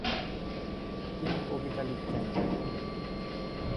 তিনি কবিতা লিখতেন।